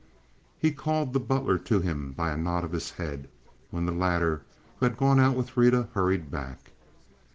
He called the butler to him by a nod of his head, when the latter, who had gone out with Rita, hurried back.